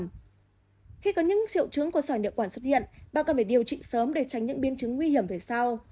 khi có những triệu chứng của sỏi niệu quản xuất hiện bao cần phải điều trị sớm để tránh những biên chứng nguy hiểm về sau